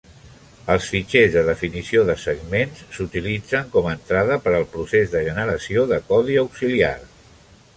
Els fitxers de definició de segments s'utilitzen com a entrada per al procés de generació de codi auxiliar.